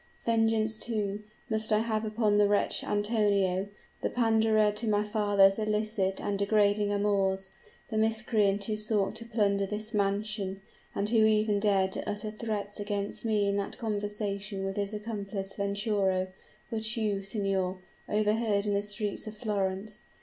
Vengeance, too, must I have upon the wretch Antonio, the panderer to my father's illicit and degrading amours the miscreant who sought to plunder this mansion, and who even dared to utter threats against me in that conversation with his accomplice Venturo, which you, signor, overheard in the streets of Florence.